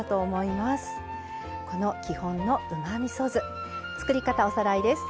この基本のうまみそ酢作り方おさらいです。